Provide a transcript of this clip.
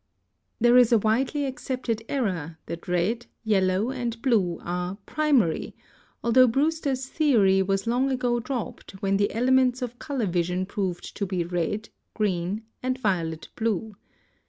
There is a widely accepted error that red, yellow, and blue are "primary," although Brewster's theory was long ago dropped when the elements of color vision proved to be RED, GREEN, and VIOLET BLUE.